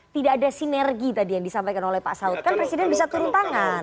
tidak ada sinergi tadi yang disampaikan oleh pak saud kan presiden bisa turun tangan